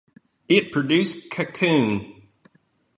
It produced cocoon.